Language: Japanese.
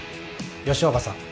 吉岡さん